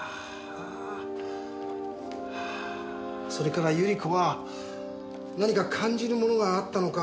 それから百合子は何か感じるものがあったのか。